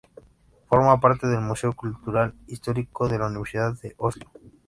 Forma parte del Museo Cultural Histórico de la Universidad de Oslo.